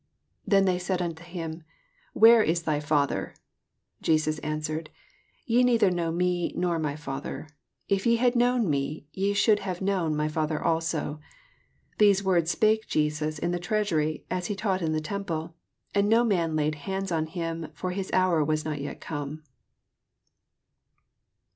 19 Then said they unto him. Where is thy Father ? Jesus answered, Ye neither know me, nor my Father: if ye had known me, ye should have known my Father also. 20 These words spake Jesus in the treasury, as he taught in the temple; and no man laid hands on him; for his hour was not yet come.